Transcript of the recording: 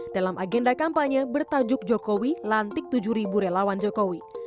dalam agenda kampanye bertajuk jokowi lantik tujuh relawan jokowi